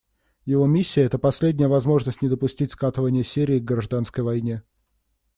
Его миссия — это последняя возможность не допустить скатывания Сирии к гражданской войне.